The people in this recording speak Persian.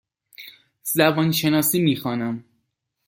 زبان شناسی می خوانم.